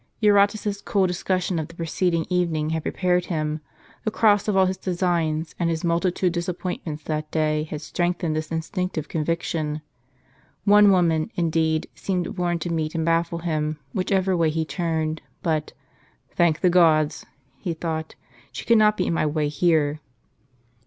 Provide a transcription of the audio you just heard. . Eurotas's cool discussion of the preceding evening had prepared him ; the cross of all his designs, and his multiplied disappointments that day, had strengthened this instinctive conviction. One woman, indeed, seemed born to meet and baffle him whichever way he turned ; but, " thank the gods," he thought, " she cannot be in my way here.